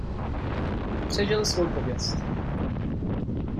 Přežil svou pověst.